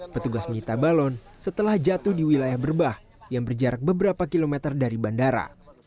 petugas menyita balon setelah jatuh di wilayah berbah yang berjarak beberapa kilometer dari bandara